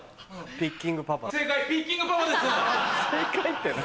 ピッキングパパです。